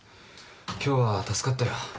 今日は助かったよ。